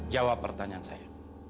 jawab pertanyaan saya